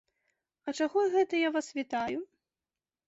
А чаго гэта я вас вітаю?